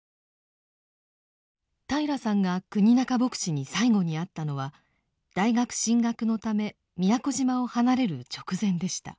平良さんが国仲牧師に最後に会ったのは大学進学のため宮古島を離れる直前でした。